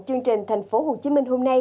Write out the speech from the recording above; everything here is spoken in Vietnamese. chương trình thành phố hồ chí minh hôm nay